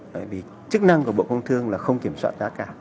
bởi vì chức năng của bộ công thương là không kiểm soát giá cả